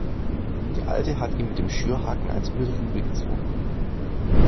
Der Alte hat ihm mit dem Schürhaken eins über die Rübe gezogen.